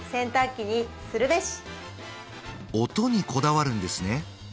音にこだわるんですね